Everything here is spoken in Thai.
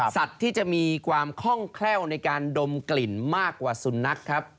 สัตว์ที่จะมีความคล่องแคล่วในการดมกลิ่นมากกว่าสุนัขครับ